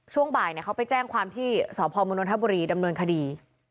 ช่วงบ่ายเขาไปแจ้งความที่สพมนทบุรีดำเนินคดี